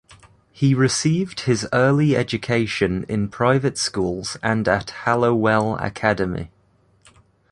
He received his early education in private schools and at Hallowell Academy.